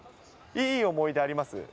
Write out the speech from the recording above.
いい思い出あります？